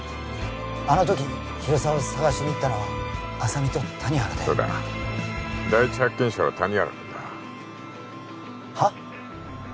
あの時広沢を捜しに行ったのは浅見と谷原でそうだ第一発見者は谷原君だはッ？